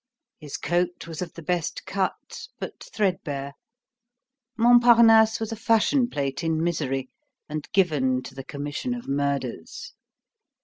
His coat was of the best cut, but threadbare. Montparnasse was a fashion plate in misery and given to the commission of murders.